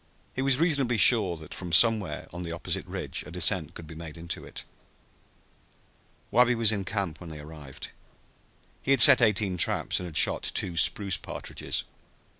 He was reasonably sure that from somewhere on the opposite ridge a descent could be made into it. Wabi was in camp when they arrived. He had set eighteen traps and had shot two spruce partridges.